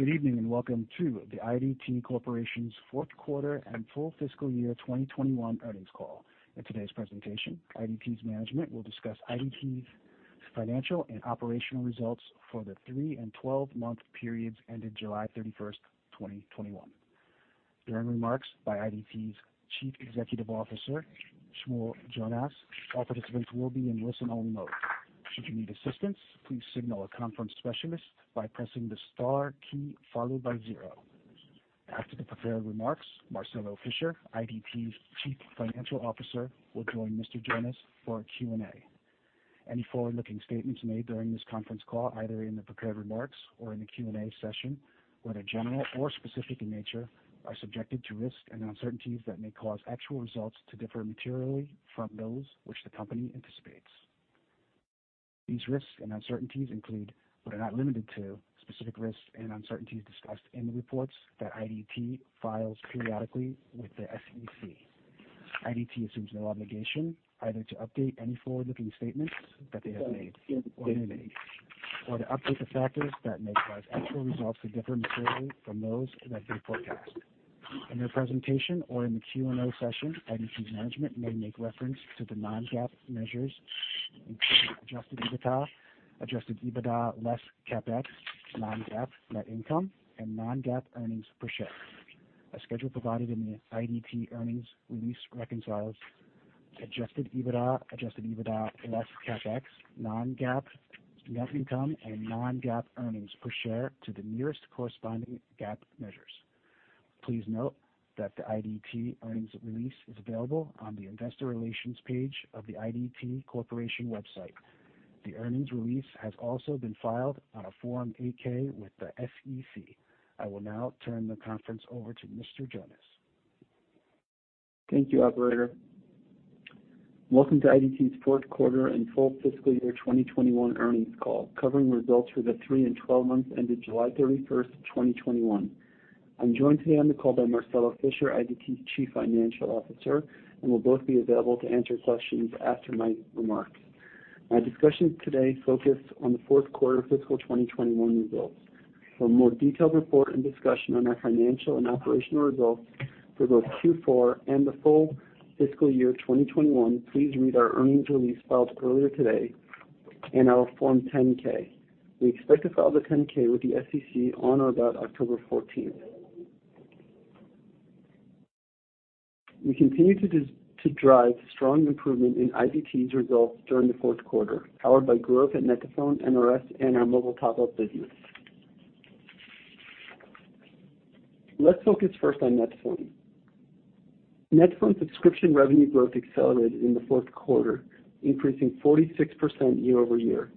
Good evening, and welcome to the IDT Corporation's Fourth Quarter and Full Fiscal Year 2021 Earnings Call. In today's presentation, IDT's management will discuss IDT's financial and operational results for the three and 12-month periods ended July 31st, 2021. During remarks by IDT's Chief Executive Officer, Shmuel Jonas, all participants will be in listen-only mode. Should you need assistance, please signal a conference specialist by pressing the star key followed by zero. After the prepared remarks, Marcelo Fischer, IDT's Chief Financial Officer, will join Mr. Jonas for a Q&A. Any forward-looking statements made during this conference call, either in the prepared remarks or in the Q&A session, whether general or specific in nature, are subjected to risks and uncertainties that may cause actual results to differ materially from those which the company anticipates. These risks and uncertainties include, but are not limited to, specific risks and uncertainties discussed in the reports that IDT files periodically with the SEC. IDT assumes no obligation either to update any forward-looking statements that they have made or may make, or to update the factors that may cause actual results to differ materially from those that they forecast. In their presentation or in the Q&A session, IDT's management may make reference to the non-GAAP measures, including Adjusted EBITDA, Adjusted EBITDA less CapEx, non-GAAP net income, and non-GAAP earnings per share. A schedule provided in the IDT earnings release reconciles Adjusted EBITDA, Adjusted EBITDA less CapEx, non-GAAP net income, and non-GAAP earnings per share to the nearest corresponding GAAP measures. Please note that the IDT earnings release is available on the Investor Relations page of the IDT Corporation website. The earnings release has also been filed on a Form 8-K with the SEC. I will now turn the conference over to Mr. Jonas. Thank you, operator. Welcome to IDT's Fourth Quarter and Full Fiscal Year 2021 Earnings Call, covering results for the three and 12 months ended July 31st, 2021. I'm joined today on the call by Marcelo Fischer, IDT's Chief Financial Officer, and we'll both be available to answer questions after my remarks. My discussion today focus on the fourth quarter fiscal 2021 results. For a more detailed report and discussion on our financial and operational results for both Q4 and the full fiscal year 2021, please read our earnings release filed earlier today and our Form 10-K. We expect to file the 10-K with the SEC on or about October 14th. We continue to drive strong improvement in IDT's results during the fourth quarter, powered by growth at net2phone, NRS, our mobile top-up business. Let's focus first on net2phone. Net2phone subscription revenue growth accelerated in the fourth quarter, increasing 46% year-over-year.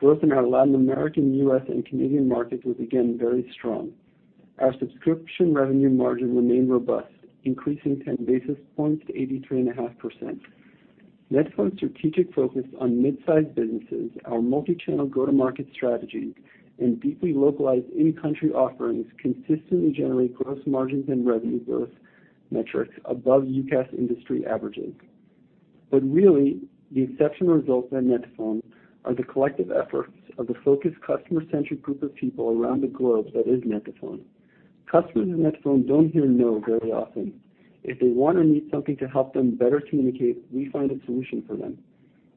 Growth in our Latin American, U.S., and Canadian markets was again very strong. Our subscription revenue margin remained robust, increasing 10 basis points to 83.5%. net2phone's strategic focus on mid-size businesses, our multi-channel go-to-market strategies, and deeply localized in-country offerings consistently generate gross margins and revenue growth metrics above UCaaS industry averages. Really, the exceptional results at net2phone are the collective efforts of the focused, customer-centric group of people around the globe that is net2phone. Customers at net2phone don't hear no very often. If they want or need something to help them better communicate, we find a solution for them.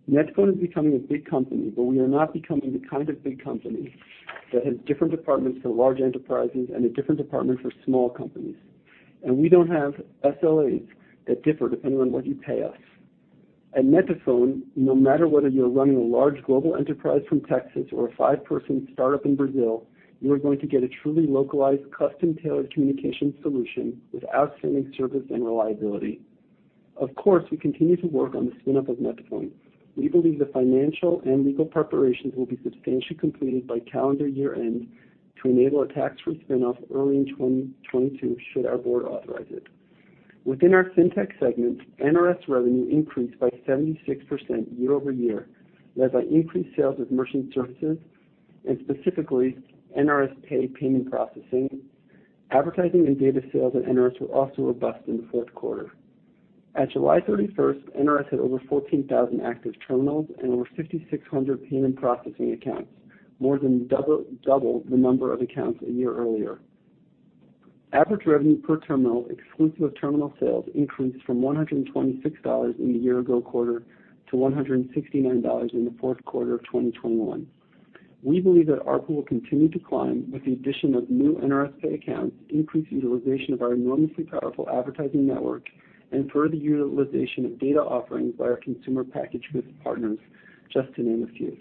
net2phone is becoming a big company, we are not becoming the kind of big company that has different departments for large enterprises and a different department for small companies. We don't have SLAs that differ depending on what you pay us. At net2phone, no matter whether you're running a large global enterprise from Texas or a five-person startup in Brazil, you are going to get a truly localized, custom-tailored communication solution with outstanding service and reliability. Of course, we continue to work on the spin-up of net2phone. We believe the financial and legal preparations will be substantially completed by calendar year-end to enable a tax-free spin-off early in 2022 should our board authorize it. Within our FinTech segment, NRS revenue increased by 76% year-over-year, led by increased sales of merchant services and specifically NRS PAY payment processing. Advertising and data sales at NRS were also robust in the fourth quarter. At July 31st, NRS had over 14,000 active terminals and over 5,600 payment processing accounts, more than double the number of accounts a year earlier. Average revenue per terminal exclusive of terminal sales increased from $126 in the year ago quarter to $169 in the fourth quarter of 2021. We believe that ARPU will continue to climb with the addition of new NRS PAY accounts, increased utilization of our enormously powerful advertising network, and further utilization of data offerings by our consumer package goods partners, just to name a few.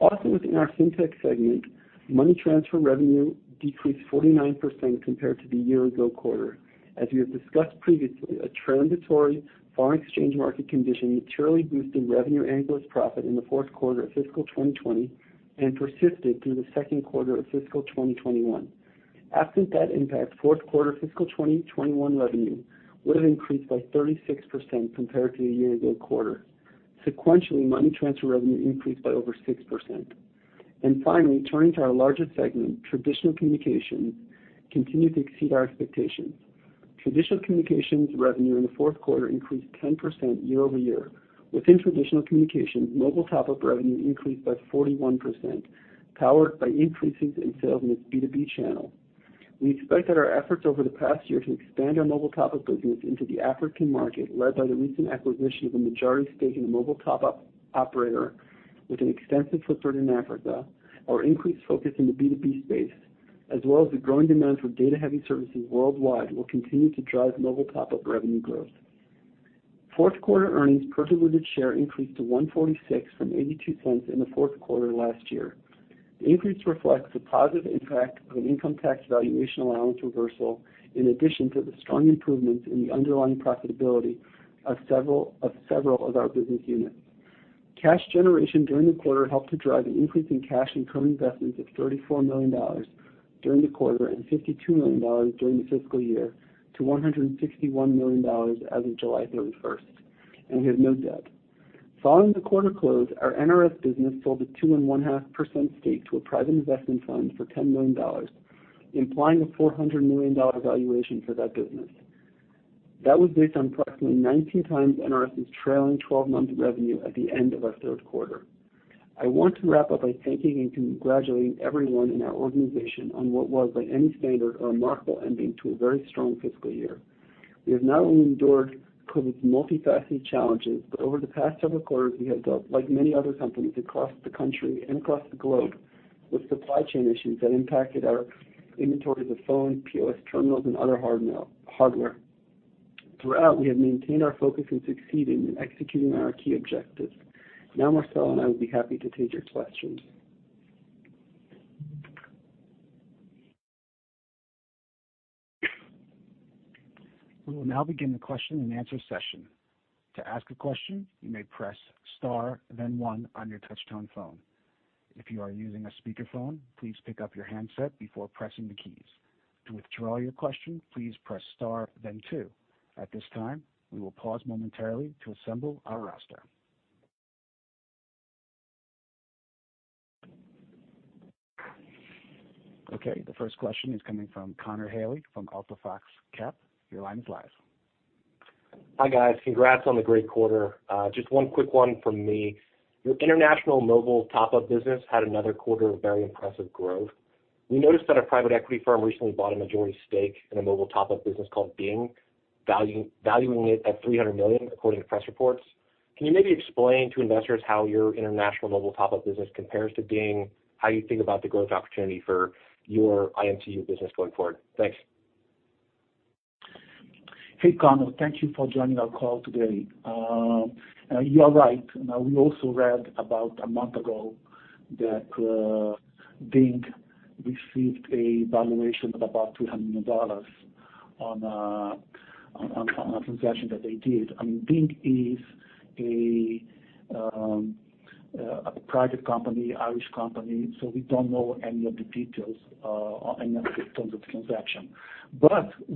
Also within our FinTech segment, money transfer revenue decreased 49% compared to the year ago quarter. As we have discussed previously, a transitory foreign exchange market condition materially boosted revenue and gross profit in the fourth quarter of fiscal 2020 and persisted through the second quarter of fiscal 2021. Absent that impact, fourth quarter fiscal 2021 revenue would have increased by 36% compared to the year ago quarter. Sequentially, money transfer revenue increased by over 6%. Finally, turning to our largest segment, Traditional communications continued to exceed our expectations. Traditional communications revenue in the fourth quarter increased 10% year-over-year. Within Traditional communications, Mobile top-up revenue increased by 41%, powered by increases in sales in its B2B channel. We expect that our efforts over the past year to expand our Mobile top-up business into the African market, led by the recent acquisition of a majority stake in a Mobile top-up operator with an extensive footprint in Africa, our increased focus in the B2B space, as well as the growing demand for data-heavy services worldwide, will continue to drive Mobile top-up revenue growth. Fourth quarter earnings per diluted share increased to $1.46 from $0.82 in the fourth quarter last year. The increase reflects the positive impact of an income tax valuation allowance reversal, in addition to the strong improvements in the underlying profitability of several of our business units. Cash generation during the quarter helped to drive an increase in cash and current investments of $34 million during the quarter and $52 million during the fiscal year to $161 million as of July 31st, and we have no debt. Following the quarter close, our NRS business sold a 2.5% stake to a private investment fund for $10 million, implying a $400 million valuation for that business. That was based on approximately 19 times NRS's trailing 12-month revenue at the end of our third quarter. I want to wrap up by thanking and congratulating everyone in our organization on what was, by any standard, a remarkable ending to a very strong fiscal year. We have not only endured COVID's multifaceted challenges, but over the past several quarters, we have dealt, like many other companies across the country and across the globe, with supply chain issues that impacted our inventories of phones, POS terminals, and other hardware. Throughout, we have maintained our focus in succeeding and executing on our key objectives. Now, Marcelo and I will be happy to take your questions. We will now begin the question and answer session. Okay, the first question is coming from Connor Haley from Alta Fox Capital. Your line is live. Hi, guys. Congrats on the great quarter. Just one quick one from me. Your international mobile top-up business had another quarter of very impressive growth. We noticed that a private equity firm recently bought a majority stake in a mobile top-up business called Ding, valuing it at $300 million, according to press reports. Can you maybe explain to investors how your international mobile top-up business compares to Ding, and how you think about the growth opportunity for your IMTU business going forward? Thanks. Hey, Connor. Thank you for joining our call today. You are right. We also read about a month ago that Ding received a valuation of about $300 million on a transaction that they did. I mean, Ding is a private company, Irish company, we don't know any of the details in terms of transaction.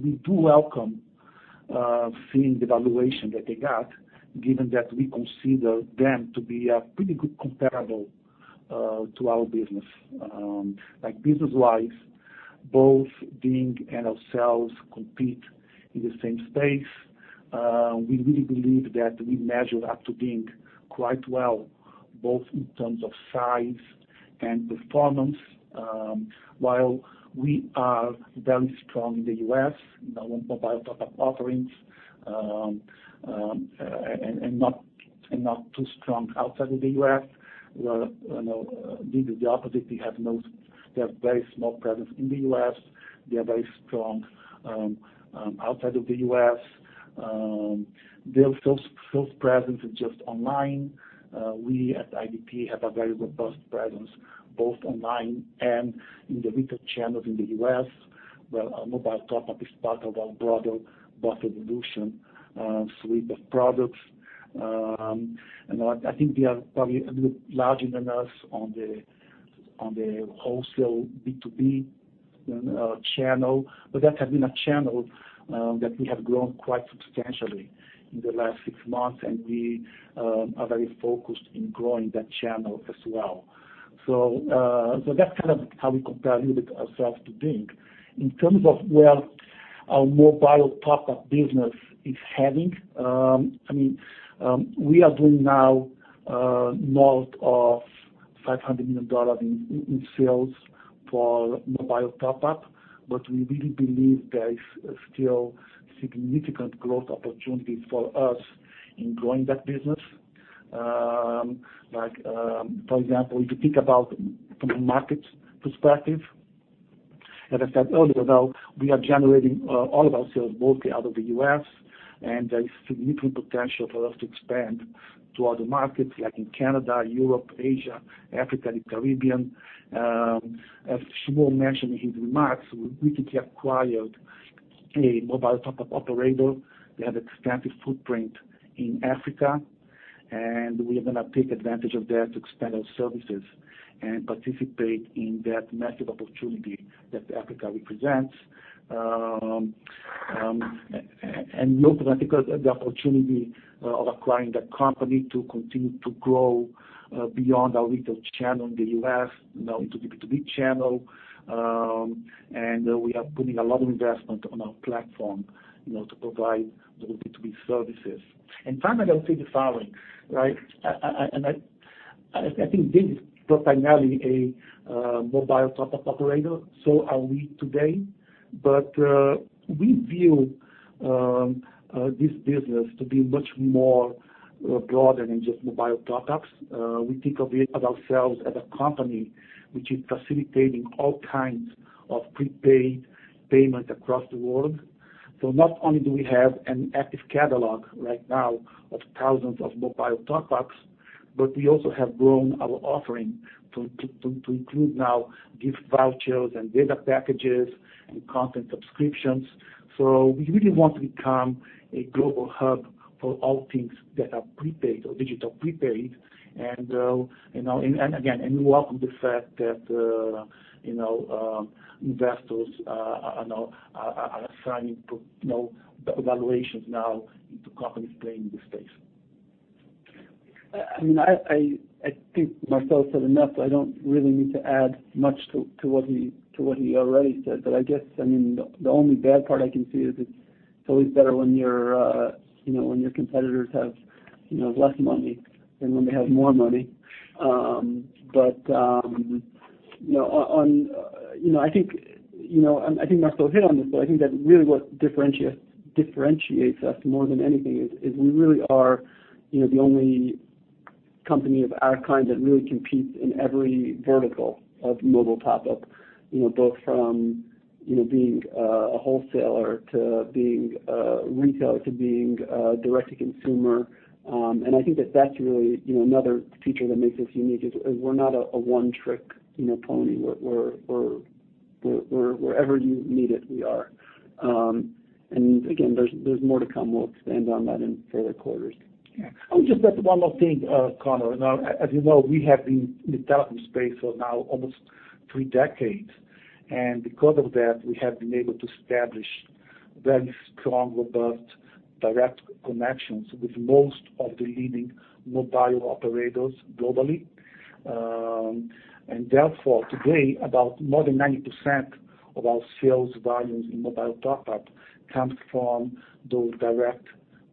We do welcome seeing the valuation that they got, given that we consider them to be a pretty good comparable to our business. Business-wise, both Ding and ourselves compete in the same space. We really believe that we measure up to Ding quite well, both in terms of size and performance. While we are very strong in the U.S. on mobile top-up offerings, and not too strong outside of the U.S., Ding is the opposite. They have a very small presence in the U.S. They are very strong outside of the U.S. Their sales presence is just online. We at IDT have a very robust presence both online and in the retail channels in the U.S., where our mobile top-up is part of our broader BOSS Revolution suite of products. I think they are probably a little larger than us on the wholesale B2B channel, but that has been a channel that we have grown quite substantially in the last six months, and we are very focused in growing that channel as well. That's kind of how we compare a little bit ourselves to Ding. In terms of where our mobile top-up business is heading, we are doing now north of $500 million in sales for mobile top-up, but we really believe there is still significant growth opportunities for us in growing that business. For example, if you think about from a market perspective, as I said earlier, we are generating all of our sales mostly out of the U.S., there is significant potential for us to expand to other markets like in Canada, Europe, Asia, Africa, the Caribbean. As Shmuel mentioned in his remarks, we recently acquired a mobile top-up operator. They have extensive footprint in Africa, we are going to take advantage of that to expand our services and participate in that massive opportunity that Africa represents. Look at the opportunity of acquiring that company to continue to grow beyond our retail channel in the U.S., into B2B channel. We are putting a lot of investment on our platform to provide those B2B services. Finally, I would say the following. I think Ding was primarily a mobile top-up operator, so are we today. We view this business to be much more broader than just mobile top-ups. We think of ourselves as a company which is facilitating all kinds of prepaid payments across the world. Not only do we have an active catalog right now of thousands of mobile top-ups, but we also have grown our offering to include now gift vouchers and data packages and content subscriptions. We really want to become a global hub for all things that are prepaid or digital prepaid. Again, we welcome the fact that investors are assigning evaluations now into companies playing this space. I think Marcelo said enough. I don't really need to add much to what he already said. I guess, the only bad part I can see is it's always better when your competitors have less money than when they have more money. I think Marcelo hit on this, but I think that really what differentiates us more than anything is we really are the only company of our kind that really competes in every vertical of mobile top-up, both from being a wholesaler to being retail to being direct-to-consumer. I think that that's really another feature that makes us unique, is we're not a one-trick pony. Wherever you need it, we are. Again, there's more to come. We'll expand on that in further quarters. Yeah. I would just add one more thing, Connor. As you know, we have been in the telecom space for now almost three decades. Because of that, we have been able to establish very strong, robust direct connections with most of the leading mobile operators globally. Therefore, today, about more than 90% of our sales volumes in mobile top-up comes from those direct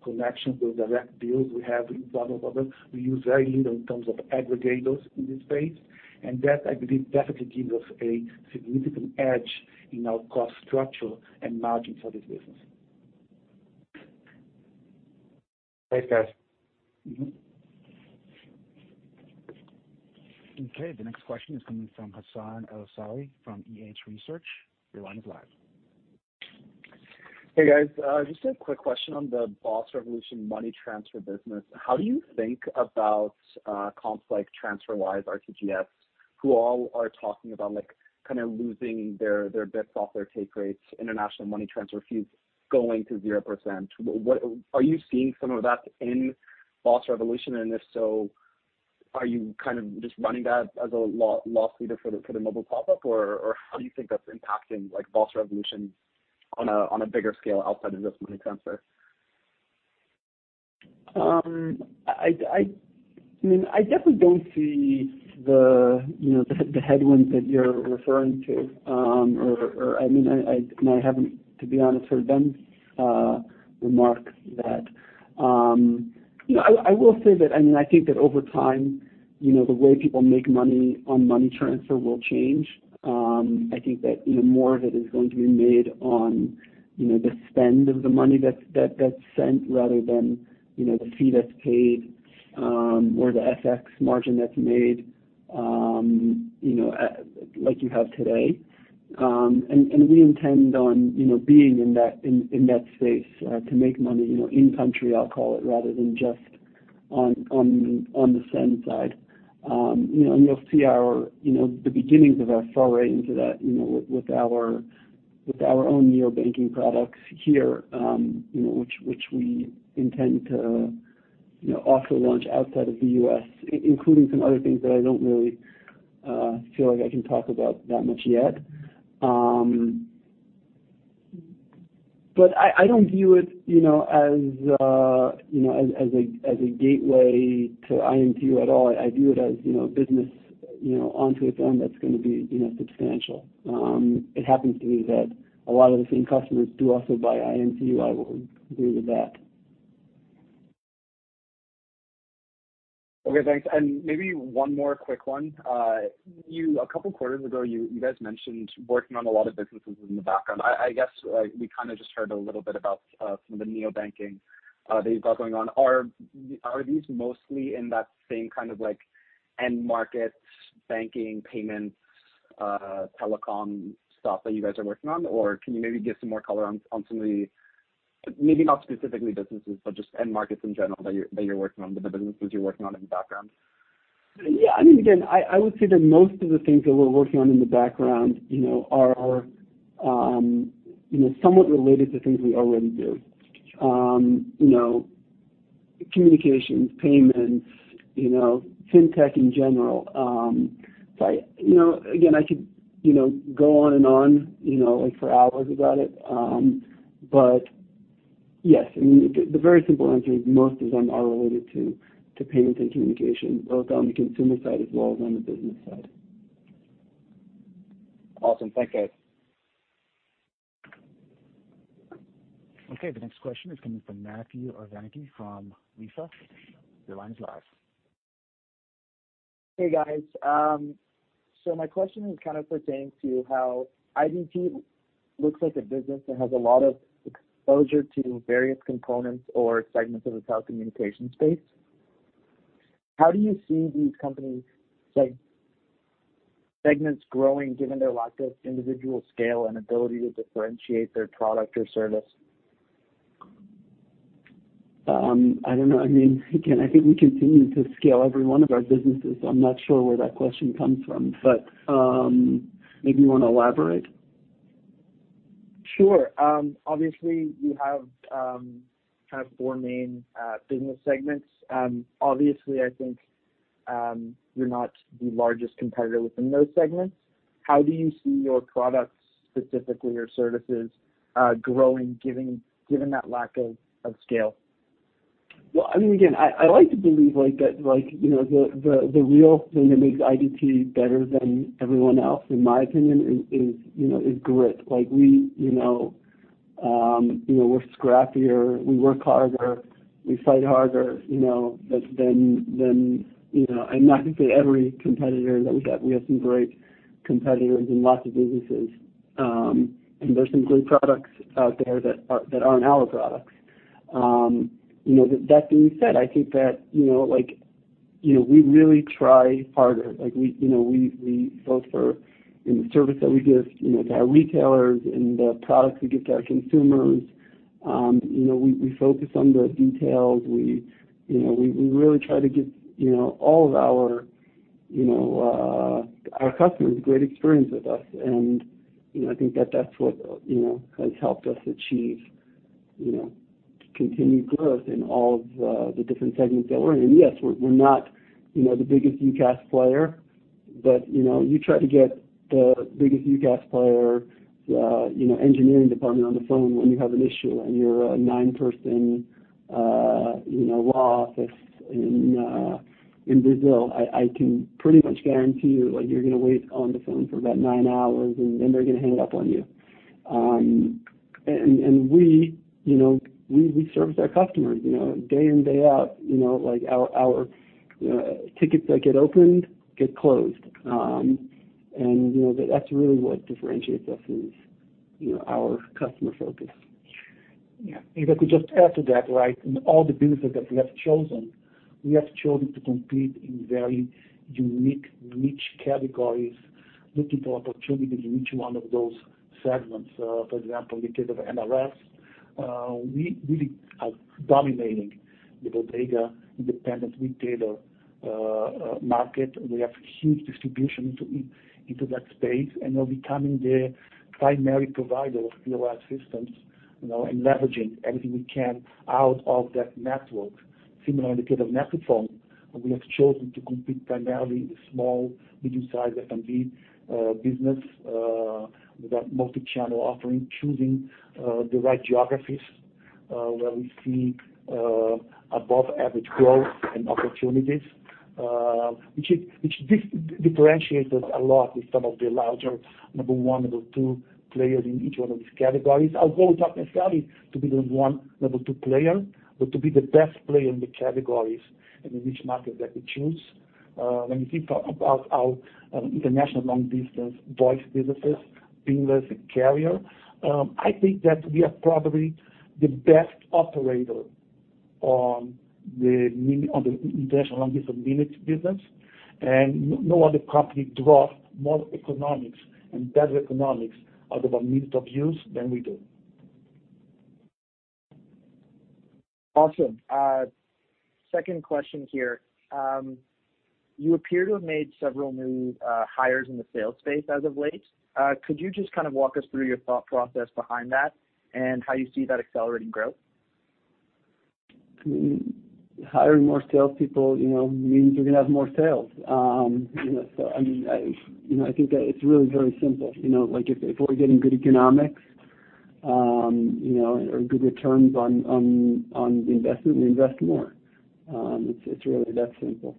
connections—those direct deals we have with one another. We use very little in terms of aggregators in this space. That, I believe, definitely gives us a significant edge in our cost structure and margins for this business. Thanks, guys. Okay, the next question is coming from Hassan El-Ouazzani from EH Research. Your line is live. Hey, guys. Just a quick question on the BOSS Revolution money transfer business. How do you think about comps like TransferWise, RTGS.global, who all are talking about losing their bits off their take rates, international money transfer fees going to 0%? Are you seeing some of that in BOSS Revolution? If so, are you just running that as a loss leader for the mobile top-up? Or how do you think that's impacting BOSS Revolution on a bigger scale outside of just money transfer? I definitely don't see the headwinds that you're referring to. I haven't, to be honest, heard them remark that. I will say that I think that over time, the way people make money on money transfer will change. I think that more of it is going to be made on the spend of the money that's sent rather than the fee that's paid or the FX margin that's made, like you have today. We intend on being in that space to make money in-country, I'll call it, rather than just on the send side. You'll see the beginnings of our foray into that with our own neo-banking products here, which we intend to also launch outside of the U.S., including some other things that I don't really feel like I can talk about that much yet. I don't view it as a gateway to IMTU at all. I view it as a business onto its own that's going to be substantial. It happens to be that a lot of the same customers do also buy IMTU. I will agree with that. Okay, thanks. Maybe one more quick one. A couple of quarters ago, you guys mentioned working on a lot of businesses in the background. I guess we kind of just heard a little bit about some of the neo banking that you've got going on. Are these mostly in that same kind of end markets, banking, payments, telecom stuff that you guys are working on? Can you maybe give some more color on some of the, maybe not specifically businesses, but just end markets in general that you're working on, but the businesses you're working on in the background? Again, I would say that most of the things that we're working on in the background are somewhat related to things we already do: communications, payments, FinTech in general. Again, I could go on and on for hours about it. Yes, the very simple answer is most of them are related to payments and communication, both on the consumer side as well as on the business side. Awesome. Thank you. Okay, the next question is coming from Matthew Orvanek from Lisa. Your line is live. Hey, guys. My question is kind of pertaining to how IDT looks like a business that has a lot of exposure to various components or segments of the telecommunication space. How do you see these company segments growing, given their lack of individual scale and ability to differentiate their product or service? I don't know. Again, I think we continue to scale every one of our businesses. I'm not sure where that question comes from, but maybe you want to elaborate? Sure. You have kind of four main business segments. I think, you're not the largest competitor within those segments. How do you see your products specifically or services growing, given that lack of scale? Well, again, I like to believe that the real thing that makes IDT better than everyone else, in my opinion, is grit. We're scrappier. We work harder. We fight harder than, I'm not going to say every competitor that we got, we have some great competitors in lots of businesses. There are some great products out there that aren't our products. That being said, I think that we really try harder. Both for in the service that we give to our retailers and the products we give to our consumers, we focus on the details. We really try to give all of our customers a great experience with us. I think that that's what has helped us achieve continued growth in all of the different segments that we're in. Yes, we're not the biggest UCaaS player. You try to get the biggest UCaaS player engineering department on the phone when you have an issue, and you're a nine-person law office in Brazil. I can pretty much guarantee you're going to wait on the phone for about nine hours. They're going to hang up on you. We service our customers day in, day out. Our tickets that get opened, get closed. That's really what differentiates us, is our customer focus. Yeah. If I could just add to that, right? In all the businesses that we have chosen, we have chosen to compete in very unique niche categories, looking for opportunities in each one of those segments. For example, in the case of NRS, we really are dominating the bodega independent retailer market. We have huge distribution into that space, and are becoming the primary provider of POS systems and leveraging everything we can out of that network. Similarly, in the case of net2phone, we have chosen to compete primarily with small, medium-sized SMB business, with that multi-channel offering, choosing the right geographies, where we see above-average growth and opportunities, which differentiates us a lot with some of the larger number one, number two players in each one of these categories. Our goal is not necessarily to be the one, number two player, but to be the best player in the categories and in which markets that we choose. When you think about our international long-distance voice businesses being with the carrier, I think that we are probably the best operator on the international long-distance managed business, and no other company draws more economics and better economics out of our minutes of use than we do. Awesome. Second question here. You appear to have made several new hires in the sales space as of late. Could you just kind of walk us through your thought process behind that and how you see that accelerating growth? Hiring more salespeople means you're going to have more sales. I think that it's really very simple. If we're getting good economics, or good returns on the investment, we invest more. It's really that simple.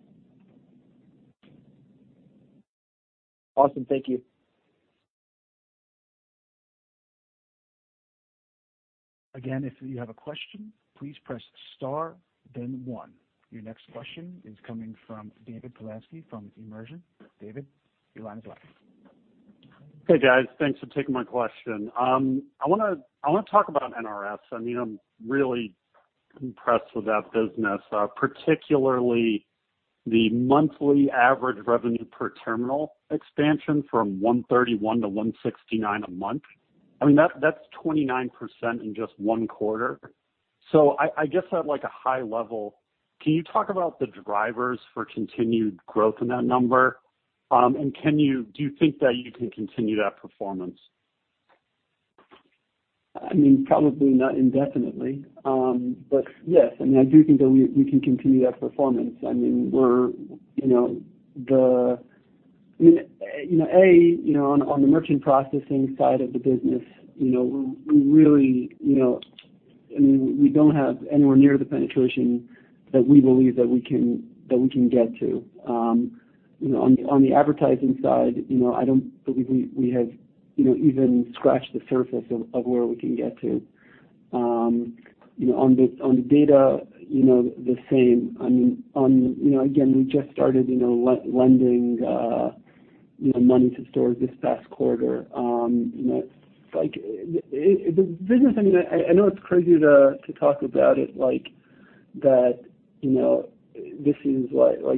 Awesome. Thank you. Again, if you have a question, please press star, then one. Your next question is coming from David Polansky from Immersion. David, your line is live. Hey, guys. Thanks for taking my question. I want to talk about NRS. I'm really impressed with that business. Particularly the monthly average revenue per terminal expansion from $131 to $169 a month. That's 29% in just one quarter. I guess at a high level, can you talk about the drivers for continued growth in that number? Do you think that you can continue that performance? Probably not indefinitely. Yes, I do think that we can continue that performance. On the merchant processing side of the business, we don't have anywhere near the penetration that we believe that we can get to. On the advertising side, I don't believe we have even scratched the surface of where we can get to. On data, the same. Again, we just started lending money to stores this past quarter. I know it's crazy to talk about it like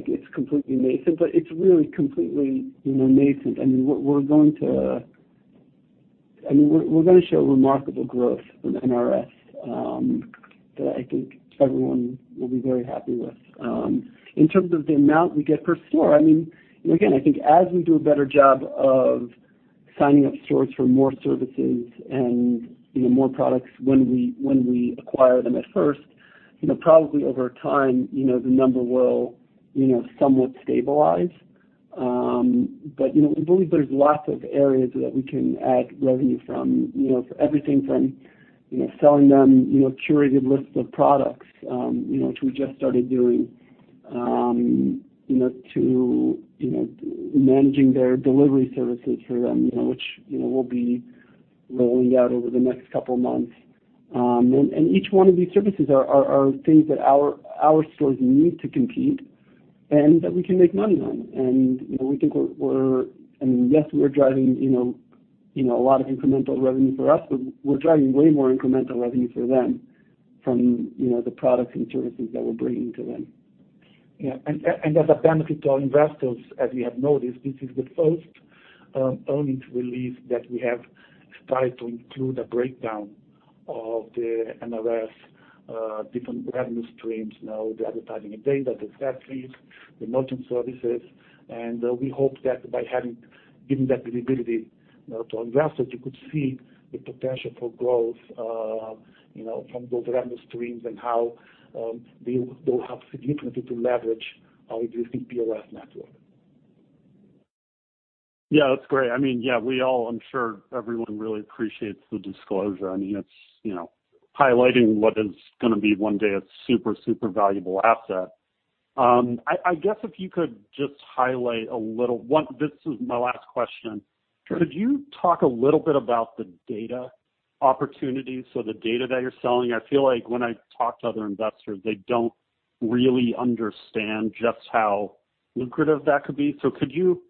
it's completely nascent, but it's really completely nascent. We're going to show remarkable growth in NRS that I think everyone will be very happy with. In terms of the amount we get per store, again, I think as we do a better job of signing up stores for more services and more products when we acquire them at first, probably over time, the number will somewhat stabilize. We believe there's lots of areas that we can add revenue from, everything from selling them curated lists of products, which we just started doing, to managing their delivery services for them, which we'll be rolling out over the next couple of months. Each one of these services are things that our stores need to compete and that we can make money on. Yes, we're driving a lot of incremental revenue for us, but we're driving way more incremental revenue for them from the products and services that we're bringing to them. Yeah. As a benefit to our investors, as we have noticed, this is the first earnings release that we have started to include a breakdown of the NRS different revenue streams, now the advertising and data, the SaaS fees, the merchant services. We hope that by giving that visibility to investors, you could see the potential for growth from those revenue streams and how they will have significantly to leverage our existing POS network. Yeah, that's great. I'm sure everyone really appreciates the disclosure. It's highlighting what is going to be one day a super valuable asset. I guess if you could just highlight a little. This is my last question. Sure. Could you talk a little bit about the data opportunities, so the data that you're selling? I feel like when I talk to other investors, they don't really understand just how lucrative that could be. Could you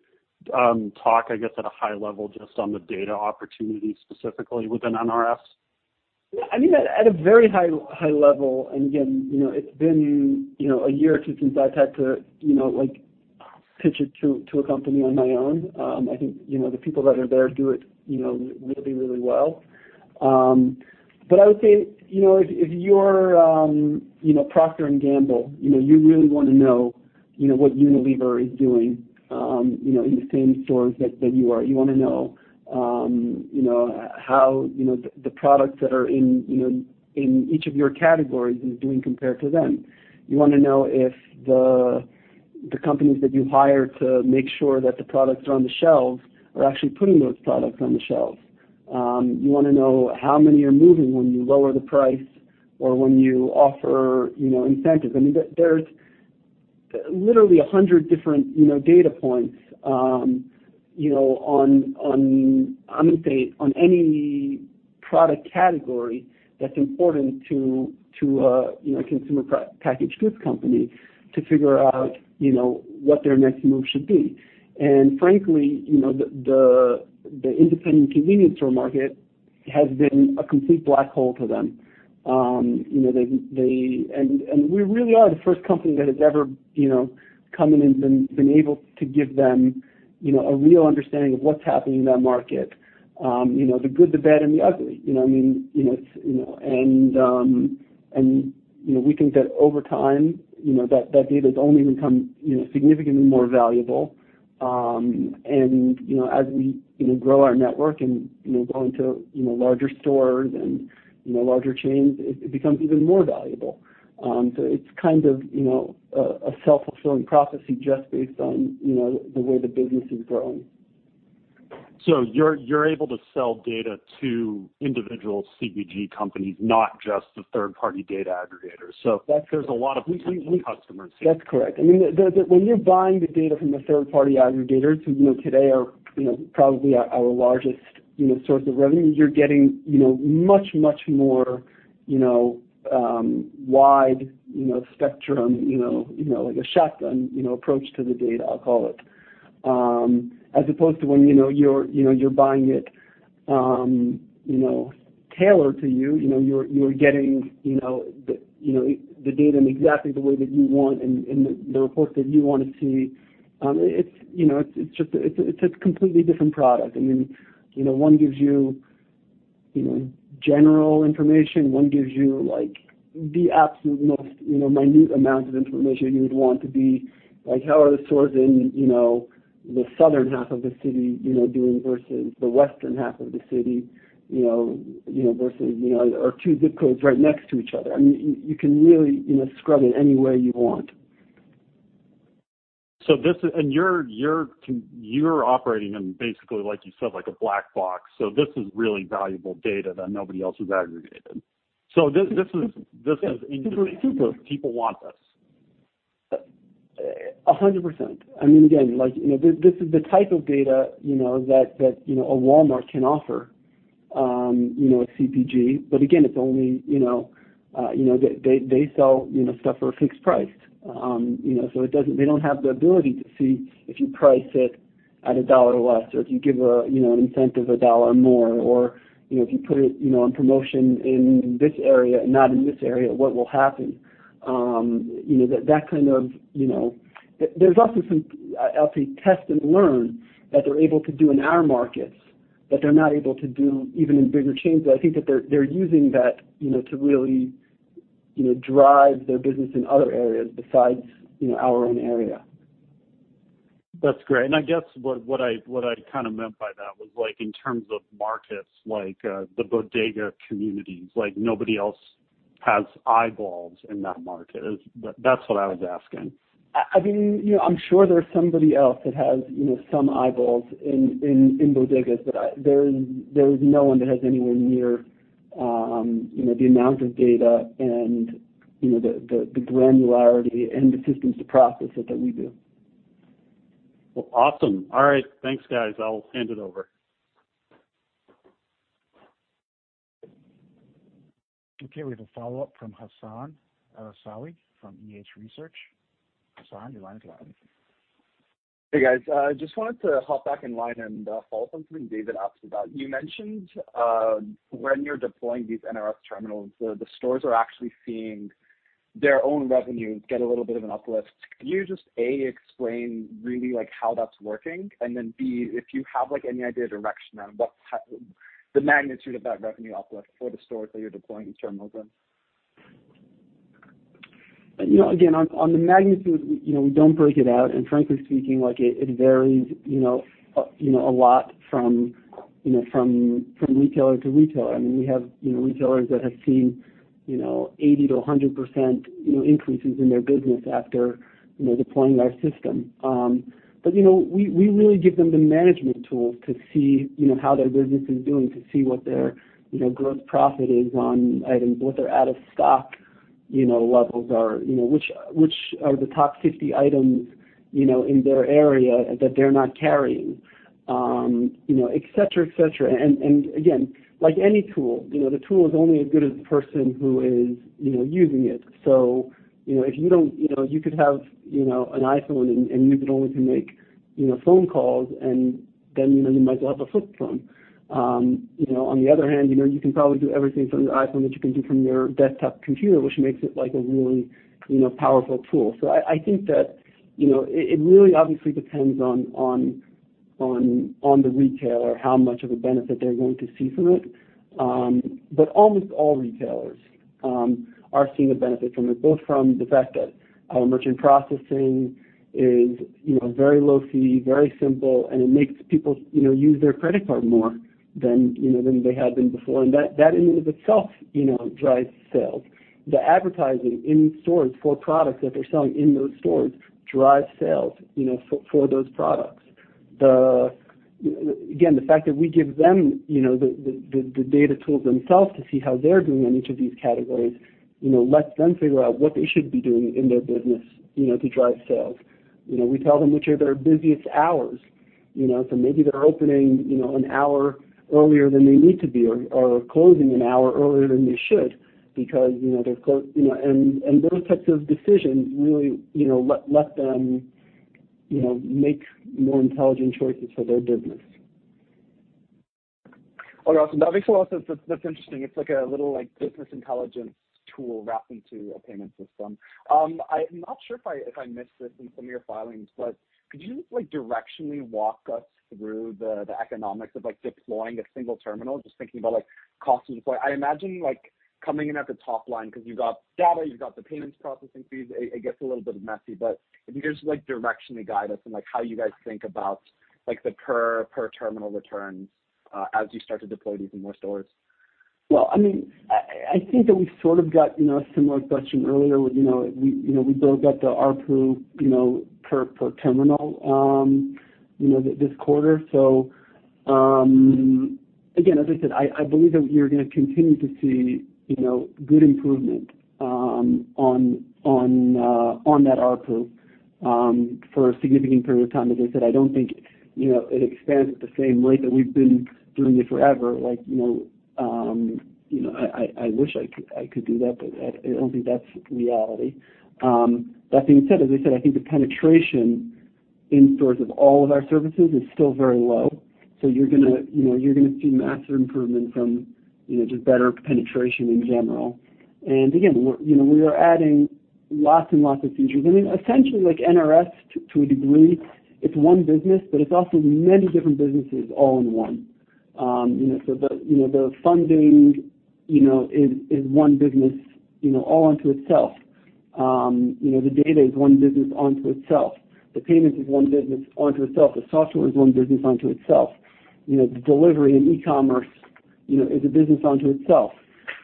talk, I guess, at a high level, just on the data opportunity, specifically within NRS? At a very high level, again, it's been a year or two since I've had to pitch it to a company on my own. I think the people that are there do it really well. I would say, if you're Procter & Gamble, you really want to know what Unilever is doing in the same stores that you are. You want to know how the products that are in each of your categories is doing compared to them. You want to know if the companies that you hire to make sure that the products are on the shelves are actually putting those products on the shelves. You want to know how many are moving when you lower the price or when you offer incentives. There's literally 100 different data points on, I'm going to say, on any product category that's important to a consumer packaged goods company to figure out what their next move should be. Frankly, the independent convenience store market has been a complete black hole to them. We really are the first company that has ever come in and been able to give them a real understanding of what's happening in that market, the good, the bad, and the ugly. We think that over time, that data is only going to become significantly more valuable. As we grow our network and go into larger stores and larger chains, it becomes even more valuable. It's kind of a self-fulfilling prophecy just based on the way the business is growing. You're able to sell data to individual CPG companies, not just the third-party data aggregators. There's a lot of potential customers here. That's correct. When you're buying the data from a third-party aggregator, who today are probably our largest source of revenue, you're getting much, much more wide spectrum, like a shotgun approach to the data, I'll call it. As opposed to when you're buying it tailored to you're getting the data in exactly the way that you want and the reports that you want to see. It's a completely different product. One gives you general information, one gives you the absolute most minute amount of information you would want to be, like, how are the stores in the southern half of the city doing versus the western half of the city, versus our two ZIP codes right next to each other? You can really scrub it any way you want. You're operating in, basically, like you said, like a black box, so this is really valuable data that nobody else has aggregated. This is interesting. Yeah. Super. People want this. 100%. This is the type of data that, you know, that a Walmart can offer a CPG. But again, its only, you know, they sell stuff for a fixed price. They don't have the ability to see if you price it at $1 less, or if you give an incentive $1 more, or if you put it on promotion in this area and not in this area, what will happen. There's also some, I'll say, test and learn that they're able to do in our markets that they're not able to do even in bigger chains. I think that they're using that to really drive their business in other areas besides our own area. That's great. I guess what I kind of meant by that was in terms of markets like the bodega communities. Nobody else has eyeballs in that market. That's what I was asking. I'm sure there's somebody else that has some eyeballs in bodegas, but there is no one that has anywhere near the amount of data and the granularity and the systems to process it that we do. Awesome. All right. Thanks, guys. I'll hand it over. Okay, we have a follow-up from Hassan El-Ouazzani from EH Research. Hassan, your line is live. Hey, guys. Just wanted to hop back in line and follow up on something David asked about. You mentioned when you're deploying these NRS terminals, the stores are actually seeing their own revenues get a little bit of an uplift. Can you just, A, explain really how that's working, and then, B, if you have any idea, direction on what the magnitude of that revenue uplift for the stores that you're deploying these terminals in? Again, on the magnitude, we don't break it out, and frankly speaking, it varies a lot from retailer to retailer. We have retailers that have seen 80%-100% increases in their business after deploying our system. We really give them the management tools to see how their business is doing, to see what their gross profit is on items, what their out-of-stock levels are, which are the top 50 items in their area that they're not carrying, et cetera. Again, like any tool, the tool is only as good as the person who is using it. You could have an iPhone, and use it only to make phone calls, and then you might as well have a flip phone. On the other hand, you can probably do everything from your iPhone that you can do from your desktop computer, which makes it a really powerful tool. I think that it really obviously depends on the retailer, how much of a benefit they're going to see from it. Almost all retailers are seeing a benefit from it, both from the fact that our merchant processing is very low fee, very simple, and it makes people use their credit card more than they had been before. That in and of itself drives sales. The advertising in stores for products that they're selling in those stores drives sales for those products. The fact that we give them the data tools themselves to see how they're doing in each of these categories lets them figure out what they should be doing in their business to drive sales. We tell them which are their busiest hours. Maybe they're opening an hour earlier than they need to be or closing an hour earlier than they should. Those types of decisions really let them make more intelligent choices for their business. Awesome. That makes a lot of sense. That's interesting. It's like a little business intelligence tool wrapped into a payment system. I'm not sure if I missed this in some of your filings, but could you just directionally walk us through the economics of deploying a single terminal, just thinking about cost to deploy. I imagine coming in at the top line, because you've got data, you've got the payments processing fees, it gets a little bit messy, but if you could just directionally guide us on how you guys think about the per terminal returns as you start to deploy these in more stores. Well, I think that we sort of got a similar question earlier. We broke up the ARPU per terminal this quarter. Again, as I said, I believe that we are going to continue to see good improvement on that ARPU for a significant period of time. As I said, I don't think it expands at the same rate that we've been doing it forever. I wish I could do that, but I don't think that's reality. That being said, as I said, I think the penetration in stores of all of our services is still very low. You're going to see massive improvement from just better penetration in general. Again, we are adding lots and lots of features. Essentially NRS, to a degree, it's one business, but it's also many different businesses all in one. The funding is one business all unto itself. The data is one business unto itself. The payments is one business unto itself. The software is one business unto itself. The delivery and e-commerce is a business unto itself.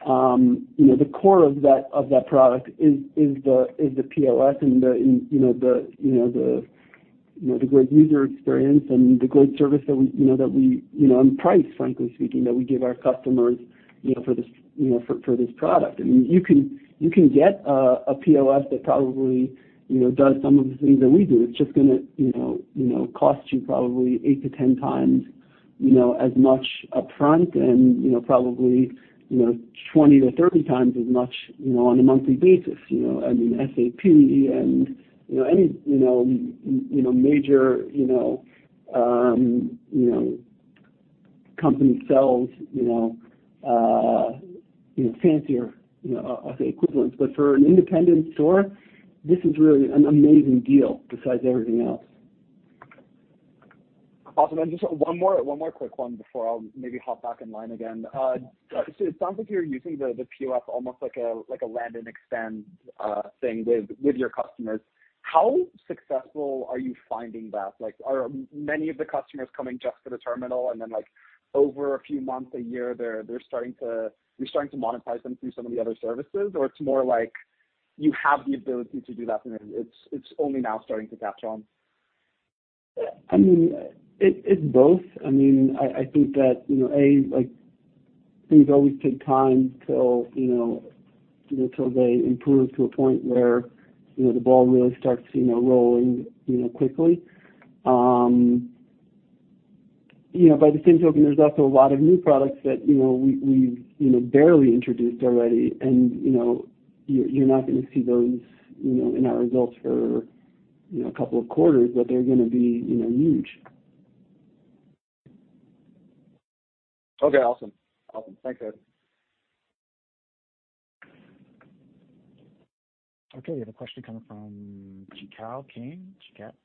The core of that product is the POS and the great user experience and the great service and price, frankly speaking, that we give our customers for this product. You can get a POS that probably does some of the things that we do. It's just going to cost you probably 8 to 10 times as much upfront and probably 20 to 30 times as much on a monthly basis. SAP and any major company sells fancier equivalents. For an independent store, this is really an amazing deal besides everything else. Awesome. Just one more quick one before I'll maybe hop back in line again. It sounds like you're using the POS almost like a land and expand thing with your customers. How successful are you finding that? Are many of the customers coming just for the terminal and then over a few months, a year, you're starting to monetize them through some of the other services? It's more like you have the ability to do that, and it's only now starting to catch on? It's both. I think that, A, things always take time till they improve to a point where the ball really starts rolling quickly. By the same token, there's also a lot of new products that we've barely introduced already, and you're not going to see those in our results for two quarters, but they're going to be huge. Okay, awesome. Thanks, guys. Okay, we have a question coming from Shikal Karim,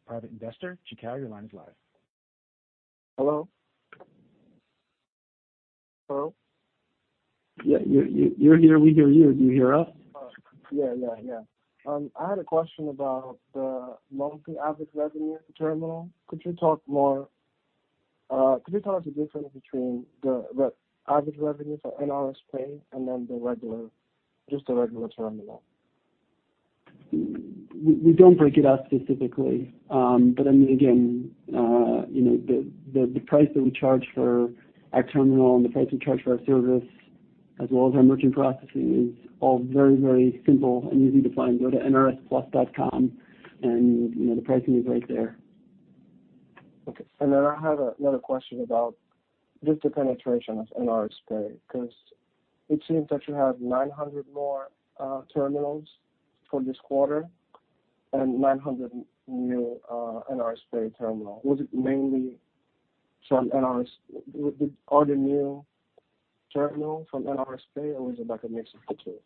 Private Investor. Shikal, your line is live. Hello? Yeah. You're here, we hear you. Do you hear us? Yeah. I had a question about the monthly average revenue per terminal. Could you talk about the difference between the average revenue for NRS Pay and then just a regular terminal? We don't break it out specifically. Again, the price that we charge for our terminal and the price we charge for our service, as well as our merchant processing, is all very, very simple and easy to find. Go to nrsplus.com, and the pricing is right there. Okay. Then I have another question about just the penetration of NRS Pay, because it seems that you have 900 more terminals for this quarter and 900 new NRS Pay terminal. Are the new terminals from NRS Pay, or is it like a mix of the two?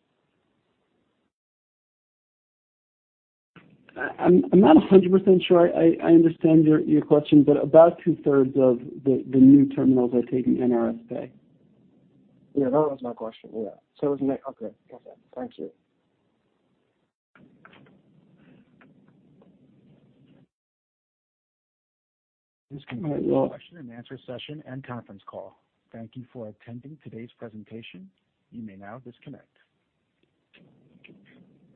I'm not 100% sure I understand your question. About two-thirds of the new terminals are taking NRS PAY. Yeah, that was my question. Yeah. Okay, got that. Thank you. This concludes our question and answer session and conference call. Thank you for attending today's presentation. You may now disconnect.